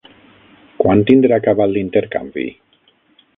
Quan tindrà acabat l'intercanvi?